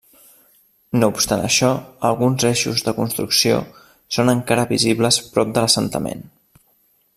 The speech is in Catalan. No obstant això, alguns eixos de construcció són encara visibles prop de l'assentament.